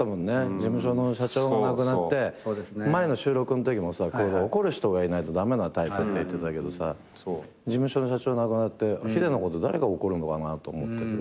事務所の社長亡くなって前の収録のときも怒る人がいないと駄目なタイプって言ってたけどさ事務所の社長亡くなってヒデのこと誰が怒るのかなと。